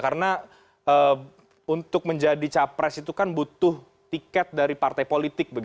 karena untuk menjadi capres itu kan butuh tiket dari partai politik